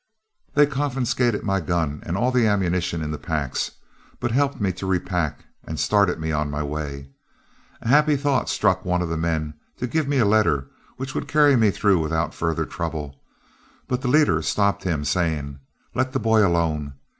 "They confiscated my gun and all the ammunition in the packs, but helped me to repack and started me on my way. A happy thought struck one of the men to give me a letter, which would carry me through without further trouble, but the leader stopped him, saying, 'Let the boy alone.